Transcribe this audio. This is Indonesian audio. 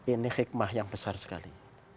ini hikmah yang besar sekali